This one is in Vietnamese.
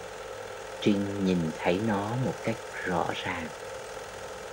Trinh nhìn thấy nó một cách rõ ràng